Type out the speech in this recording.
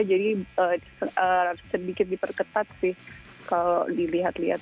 jadi sedikit diperketat sih kalau dilihat lihat